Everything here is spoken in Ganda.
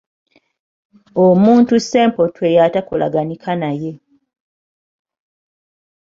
Omuntu ssempotwe y’atakolaganika naye.